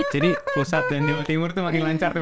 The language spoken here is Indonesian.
jadi pusat dan timur itu makin lancar